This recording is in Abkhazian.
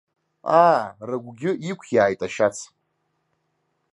Аа, рыгәгьы иқәиааит ашьац.